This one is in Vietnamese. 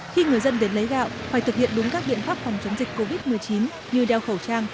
khi người dân đến lấy gạo phải thực hiện đúng các biện pháp phòng chống dịch covid một mươi chín như đeo khẩu trang